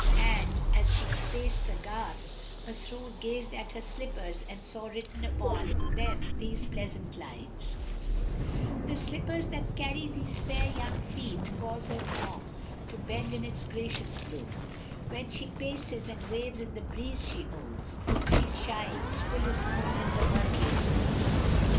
And, as she paced the garth, Masrur gazed at her slippers and saw written upon them these pleasant lines, "The slippers that carry these fair young feet * Cause her form to bend in its gracious bloom: When she paces and waves in the breeze she owns, * She shines fullest moon in the murkiest gloom."